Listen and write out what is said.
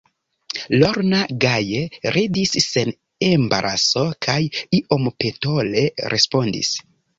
Lorna gaje ridis sen embaraso kaj iom petole respondis: